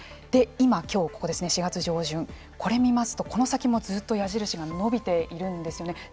今きょうここですね４月上旬これを見ますとこの先もずっと矢印が伸びているんですよね。